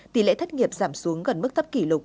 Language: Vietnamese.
tỷ lệ thất nghiệp giảm xuống gần mức thấp kỷ lục ba sáu